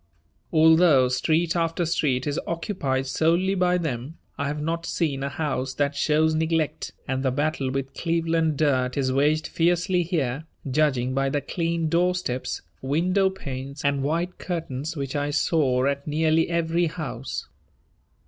Although street after street is occupied solely by them, I have not seen a house that shows neglect, and the battle with Cleveland dirt is waged fiercely here, judging by the clean doorsteps, window panes, and white curtains which I saw at nearly every house.